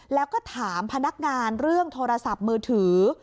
แล้วก็ถามพนักงานเรื่องโทรศัพท์มือถือ